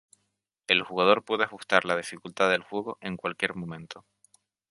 El jugador puede ajustar la dificultad del juego en cualquier momento.